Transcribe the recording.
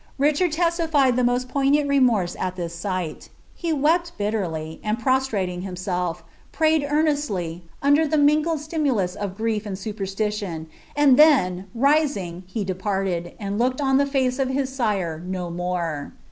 Ricbsnl testified the most poignant remorse at this sight. He wept bilieilyi ind> prostrating himself, pmyed earoesily, under the tningled stimulus of grief and superstition, and then, rising, he departed, and lookadoelb* face of his sire no more.